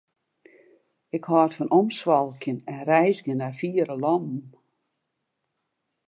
Ik hâld fan omswalkjen en reizgjen nei fiere lannen.